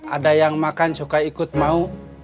ada yang makan suka ikut mau